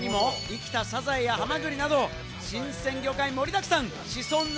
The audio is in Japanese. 他にも生きた素材や、ハマグリなど新鮮魚介が盛りだくさん。